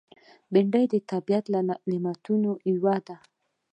بېنډۍ د طبیعت له نعمتونو یوه ده